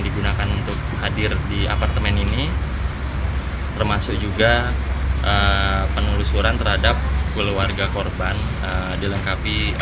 digunakan untuk hadir di apartemen ini termasuk juga penelusuran terhadap keluarga korban dilengkapi